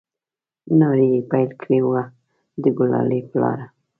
نارې يې پيل كړې وه د ګلالي پلاره!